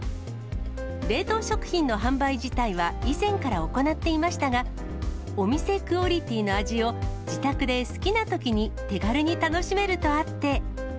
冷凍食品の販売自体は以前から行っていましたが、お店クオリティーの味を、自宅で好きなときに手軽に楽しめるとあって。